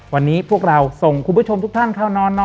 วันนี้พวกเราส่งคุณผู้ชมทุกท่านเข้านอนนอน